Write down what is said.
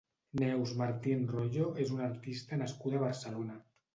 Neus Martín Royo és una artista nascuda a Barcelona.